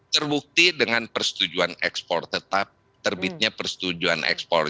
terbukti dengan persetujuan ekspor tetap terbitnya persetujuan ekspor